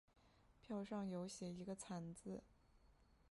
票上有写一个惨字